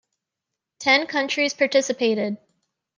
Ten countries participated.